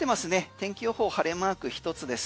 天気予報、晴れマーク１つです。